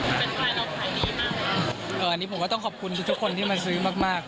อ่ะนี้ผมก็ต้องขอคุณชั่วทุกคนที่มาซื้อมาก